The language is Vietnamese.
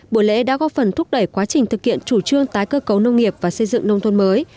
buổi lễ đã góp phần thúc đẩy quá trình thực hiện chủ trương tái cơ cấu nông nghiệp và xây dựng nông thôn mới